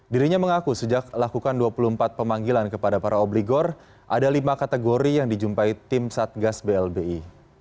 dirinya mengaku sejak lakukan dua puluh empat pemanggilan kepada para obligor ada lima kategori yang dijumpai tim satgas blbi